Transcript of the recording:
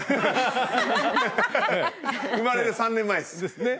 生まれる３年前です。ですね。